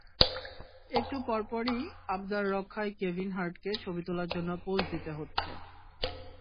একটু পরপরই আবদার রক্ষায় কেভিন হার্টকে ছবি তোলার জন্য পোজ দিতে হচ্ছে।